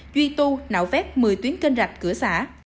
duy tu nạo vét một mươi tuyến kênh rạch cửa xã